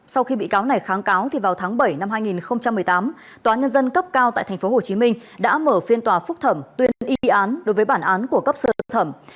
sau khi bị cáo này kháng cáo vào tháng bảy năm hai nghìn một mươi tám tòa nhân dân cấp cao tại tp hcm đã mở phiên tòa phúc thẩm tuyên y án đối với bản án của cấp sơ thẩm